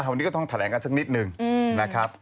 วันนี้ก็ต้องแถลงกันสักนิดนึงนะครับ